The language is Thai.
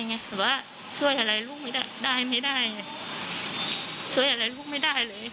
แบบว่าช่วยอะไรลูกได้ไม่ได้เสื่ออะไรลูกไม่ได้เลย